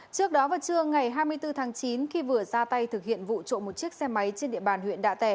trước đó vào trưa ngày hai mươi bốn tháng chín khi vừa ra tay thực hiện vụ trộm một chiếc xe máy trên địa bàn huyện đạ tẻ